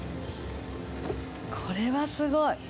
これはすごい。